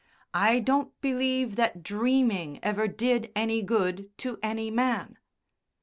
I don't believe that dreaming ever did any good to any man!"